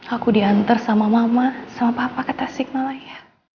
aku diantar sama mama sama papa ke tasikmalaya